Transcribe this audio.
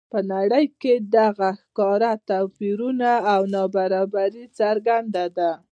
په نړۍ کې دغه ښکاره توپیرونه او نابرابري څرګنده ده.